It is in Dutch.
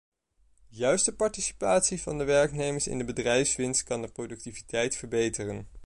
Juist de participatie van de werknemers in de bedrijfswinst kan de productiviteit verbeteren.